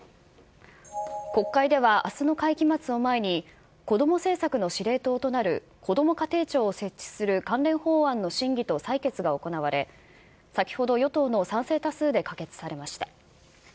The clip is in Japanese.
国会ではあすの会期末を前に、子ども政策の司令塔となるこども家庭庁を設置する関連法案の審議と採決が行われ、先ほど、与党の賛成多数で可決されました。